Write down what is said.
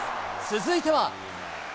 続いては。